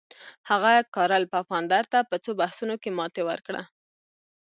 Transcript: هغه کارل پفاندر ته په څو بحثونو کې ماته ورکړه.